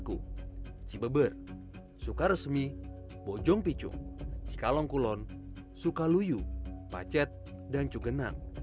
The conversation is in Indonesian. kecamatan cianjur karangtengah warung kondang kekbrong cilaku cibeber suka resmi bojong picung cikalongkulon sukaluyu pacet dan cugenang